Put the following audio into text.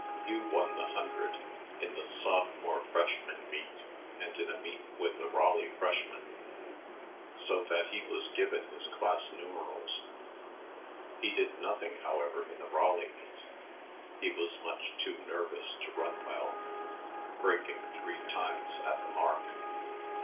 Hugh won the hundred in the sophomore freshman meet and in a meet with the Raleigh freshmen, so that he was given his class numerals. He did nothing, however, in the Raleigh meet; he was much too nervous to run well, breaking three times at the mark.